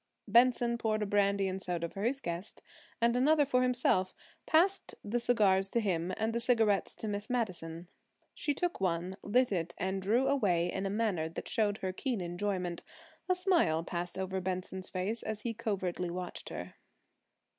Benson poured a brandy and soda for his guest and another for himself; passed the cigars to him and the cigarettes to Miss Madison. She took one, lit it, and drew away in a manner that showed her keen enjoyment. A smile passed over Benson's face as he covertly watched her.